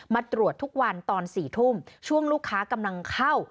มาตรวจทุกวันตอน๔ทุ่มช่วงลูกค้ากำลังเข้า